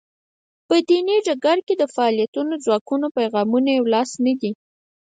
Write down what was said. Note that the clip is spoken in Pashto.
په دیني ډګر کې د فعالو ځواکونو پیغامونه یو لاس نه دي.